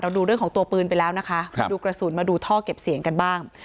ดูเรื่องของตัวปืนไปแล้วนะคะมาดูกระสุนมาดูท่อเก็บเสียงกันบ้าง